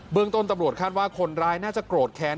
เรื่องต้นตำรวจคาดว่าคนร้ายน่าจะโกรธแค้น